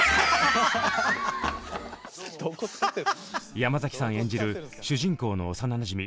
山崎さん演じる主人公の幼なじみ